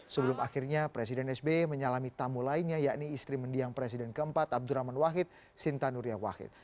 sebelum akhirnya presiden sbe menyalami tamu lainnya yakni istri mendiang presiden ke empat abdurrahman wahid sinta nuriyah wahid